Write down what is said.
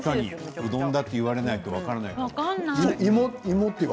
うどんと言われないと分からない。